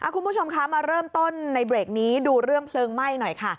คุณผู้ชมคะมาเริ่มต้นในเบรกนี้ดูเรื่องเพลิงไหม้หน่อยค่ะ